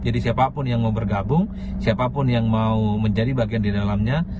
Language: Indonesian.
jadi siapapun yang mau bergabung siapapun yang mau menjadi bagian di dalamnya